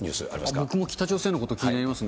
僕も北朝鮮のこと気になりますね。